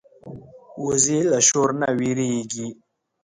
وزې له شور نه وېرېږي